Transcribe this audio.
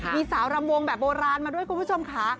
มีสาวรำวงแบบโบราณมาด้วยคุณผู้ชมค่ะ